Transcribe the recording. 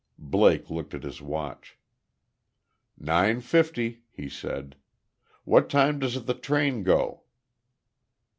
Blake looked at his watch. "Nine fifty," he said. "What time does the train go?"